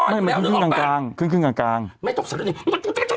ไม่มันขึ้นขึ้นข้างกลางขึ้นขึ้นข้างกลางไม่ต้องเสียด้วยไม่ต้องเสียด้วย